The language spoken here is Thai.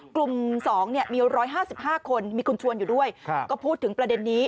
๒มี๑๕๕คนมีคุณชวนอยู่ด้วยก็พูดถึงประเด็นนี้